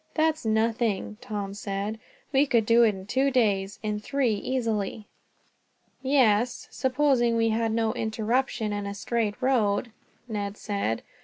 "That's nothing!" Tom said. "We could do it in two days, in three easily." "Yes, supposing we had no interruption and a straight road," Ned said.